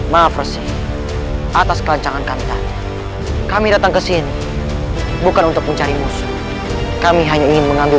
maaf atas kelancangan kantan kami datang kesini bukan untuk mencari musuh kami hanya ingin mengambil